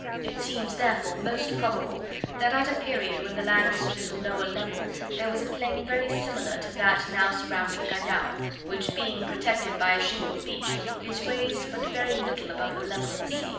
It seems, therefore, most probable that at a period when the land stood at a lower level there was a plain very similar to that now surrounding Callao, which being protected by a shingle beach, is raised but very little above the level of the sea.